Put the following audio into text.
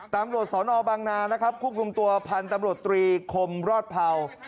ตำรวจสอนอบังนาคู่คุมตัวพันธุ์ตำรวจตรีคมรอดเภา